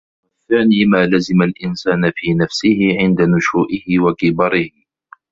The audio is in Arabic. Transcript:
وَالثَّانِي مَا لَزِمَ الْإِنْسَانَ فِي نَفْسِهِ عِنْدَ نُشُوئِهِ وَكِبَرِهِ